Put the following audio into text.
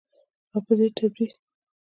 او په ډیر تدبیر.